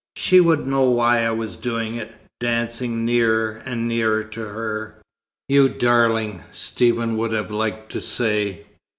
She would know why I was doing it; dancing nearer and nearer to her." "You darling!" Stephen would have liked to say.